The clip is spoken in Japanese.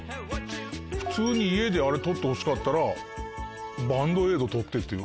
普通に家であれ取ってほしかったら「バンドエイド取って」って言う。